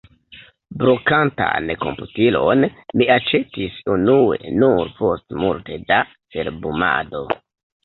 Brokantan komputilon mi aĉetis unue nur post multe da cerbumado.